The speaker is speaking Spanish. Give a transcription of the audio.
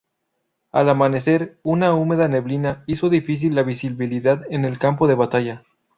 Al amanecer, una húmeda neblina hizo difícil la visibilidad en el campo de batalla.